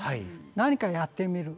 何かやってみる。